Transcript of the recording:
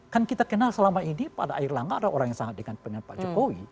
kan kita kenal selama ini pada herlaga ada orang yang sangat dengan penyelamat jokowi